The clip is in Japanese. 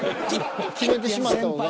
決めてしまった方が。